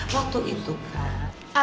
waktu itu kan